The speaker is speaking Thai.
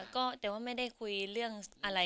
ก็แต่ว่าไม่ได้คุยเรื่องอะไร